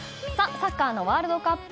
サッカーのワールドカップ。